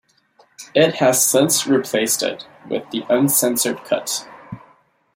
It has since replaced it with the uncensored cut.